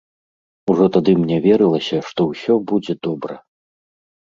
Ужо тады мне верылася, што ўсё будзе добра.